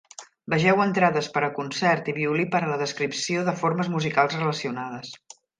Vegeu entrades per a concert i violí per a la descripció de formes musicals relacionades.